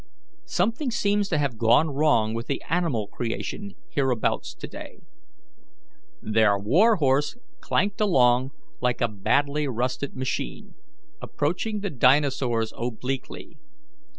Something seems to have gone wrong with the animal creation hereabouts to day." Their war horse clanked along like a badly rusted machine, approaching the dinosaurs obliquely.